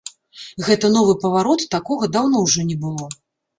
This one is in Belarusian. Гэта новы паварот, такога даўно ўжо не было.